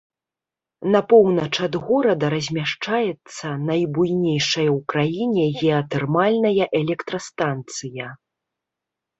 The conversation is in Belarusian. На поўнач ад горада размяшчаецца найбуйнейшая ў краіне геатэрмальная электрастанцыя.